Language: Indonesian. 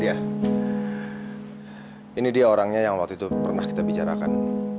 ini dia orangnya yang waktu itu pernah kita bicarakan